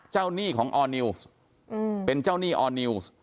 หนี้ของออร์นิวส์เป็นเจ้าหนี้ออร์นิวส์